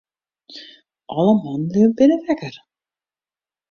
Alle manlju binne wekker.